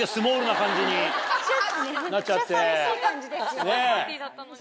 めっちゃ寂しい感じですよね。